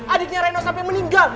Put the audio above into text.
adiknya rena sampai meninggal